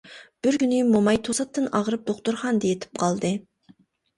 بىر كۈنى موماي توساتتىن ئاغرىپ دوختۇرخانىدا يېتىپ قالدى.